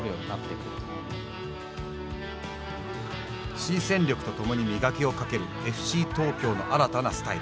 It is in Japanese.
新戦力と共に磨きをかけるＦＣ東京の新たなスタイル。